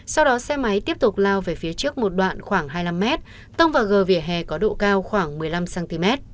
sau đó xe máy tiếp tục lao về phía trước một đoạn khoảng hai mươi năm m tông vào gỉa hè có độ cao khoảng một mươi năm cm